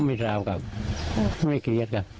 ไม่ถามครับไม่เครียดครับ